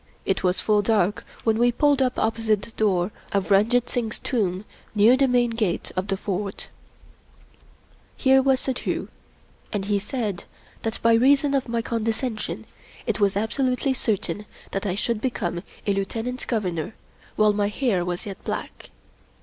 It was full dark when we pulled up opposite the door of Ranjit Singh's Tomb near the main gate of the Fort. Here was Suddhoo and he said that by reason of my condescension, it was absolutely certain that 29 English Mystery Stories I should become a Lieutenant Governor while my hair was yet black.